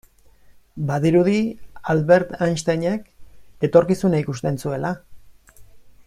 Badirudi Albert Einsteinek etorkizuna ikusten zuela.